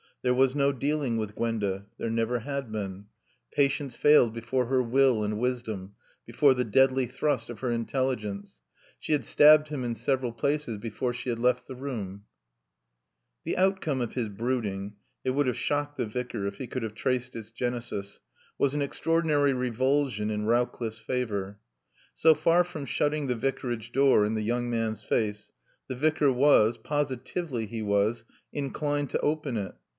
There was no dealing with Gwenda; there never had been. Patience failed before her will and wisdom before the deadly thrust of her intelligence. She had stabbed him in several places before she had left the room. The outcome of his brooding (it would have shocked the Vicar if he could have traced its genesis) was an extraordinary revulsion in Rowcliffe's favor. So far from shutting the Vicarage door in the young man's face, the Vicar was, positively he was, inclined to open it.